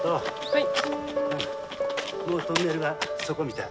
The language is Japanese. はい。